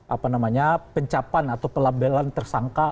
apa namanya pencapan atau pelabelan tersangka